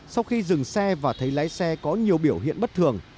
sau khi dừng xe và thấy lái xe có nhiều biểu hiện bất thường